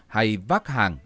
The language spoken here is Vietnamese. hay vác hàng